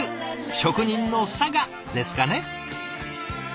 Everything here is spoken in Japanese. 職人のさがですかね。